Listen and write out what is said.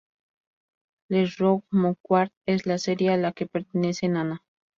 Les Rougon-Macquart es la serie a la que pertenece "Nana".